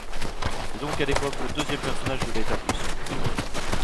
C'est donc à l'époque le deuxième personnage de l'État prussien.